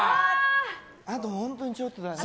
あと本当にちょっとだね。